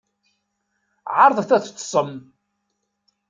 Ɛerḍet ad teṭṭsem.